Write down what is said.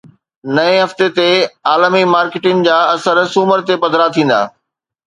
نئين هفتي تي عالمي مارڪيٽن جا اثر سومر تي پڌرا ٿيندا